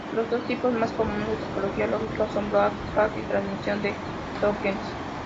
Los dos tipos más comunes de topologías lógicas son "broadcast" y transmisión de "tokens".